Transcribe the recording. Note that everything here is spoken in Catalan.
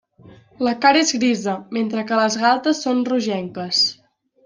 La cara és grisa, mentre que les galtes són rogenques.